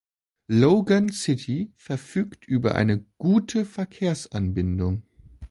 Logan City verfügt über eine gute Verkehrsanbindung.